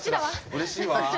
うれしいわ。